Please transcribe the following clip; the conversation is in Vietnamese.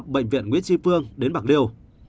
bệnh viện nguyễn tri phương đến bạc liêu